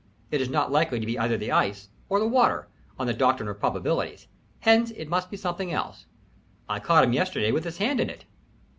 It is not likely to be either the ice or the water, on the doctrine of probabilities. Hence it must be something else. I caught him yesterday with his hand in it."